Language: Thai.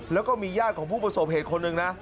แล้วก็มีญาติของผู้ประสบเหตุคนหนึ่งนะ